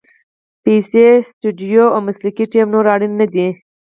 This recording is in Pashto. پیسې، سټوډیو او مسلکي ټیم نور اړین نه دي.